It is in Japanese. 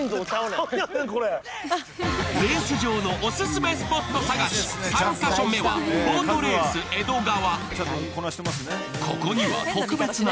レース場のオススメスポット探し、３か所目はボートレース江戸川。